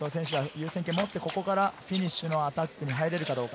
優先権を持って、ここからフィニッシュのアタックに入れるかどうか。